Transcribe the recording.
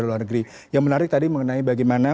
luar negeri yang menarik tadi mengenai bagaimana